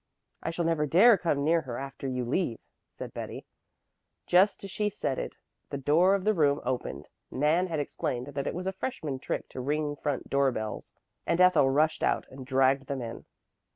"I shall never dare come near her after you leave," said Betty. Just as she said it the door of the room opened Nan had explained that it was a freshman trick to ring front door bells and Ethel rushed out and dragged them in.